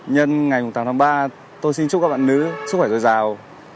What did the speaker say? nhân ngày tám tháng ba tôi xin chúc các bạn nữ sức khỏe dồi dào